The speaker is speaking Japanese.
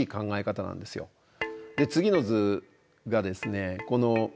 次の図がですね